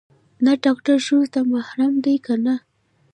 نر ډاکتر ښځو ته محرم ديه که نه.